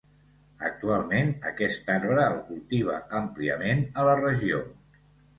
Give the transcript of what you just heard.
Actualment, aquest arbre el cultiva àmpliament a la regió.